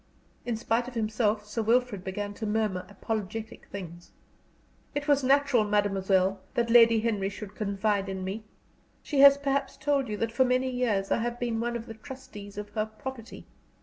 In spite of himself, Sir Wilfrid began to murmur apologetic things. "It was natural, mademoiselle, that Lady Henry should confide in me. She has perhaps told you that for many years I have been one of the trustees of her property.